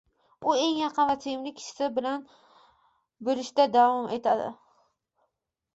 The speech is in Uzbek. u eng yaqin va sevimli kishisi bilan bo‘lishda davom etadi